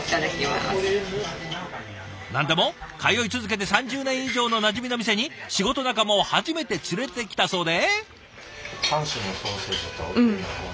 何でも通い続けて３０年以上のなじみの店に仕事仲間を初めて連れてきたそうで。